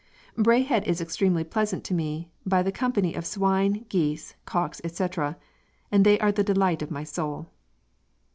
"Braehead is extremely pleasant to me by the companie of swine, geese, cocks, etc., and they are the delight of my soul."